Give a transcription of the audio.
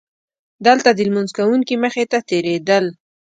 دلته د لمونځ کوونکي مخې ته تېرېدل.